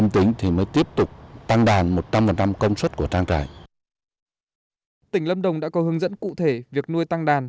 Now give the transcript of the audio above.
tỉnh lâm đồng đã có hướng dẫn cụ thể việc nuôi tăng đàn